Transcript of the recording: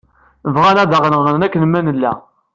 Bɣan ad aɣ-nɣen akken ma nella.